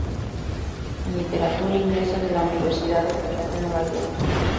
En literatura inglesa de la Universidad Estatal de Nueva York.